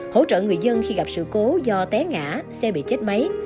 hỗ trợ người dân khi gặp sự cố do té ngã xe bị chết máy